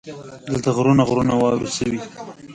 دلته غرونه غرونه واورې شوي.